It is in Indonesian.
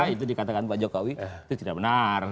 itu dikatakan pak jokowi itu tidak benar